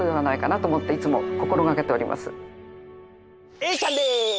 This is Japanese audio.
Ａちゃんです！